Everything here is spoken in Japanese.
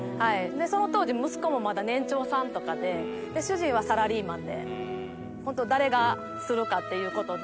その当時息子もまだ年長さんとかで主人はサラリーマンで。っていうことで。